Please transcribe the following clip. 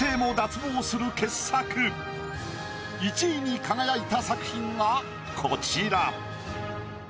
１位に輝いた作品がこちら。